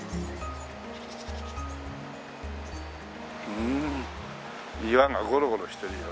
うん岩がゴロゴロしてるよ。